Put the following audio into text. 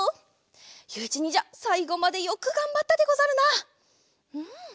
ゆういちにんじゃさいごまでよくがんばったでござるな。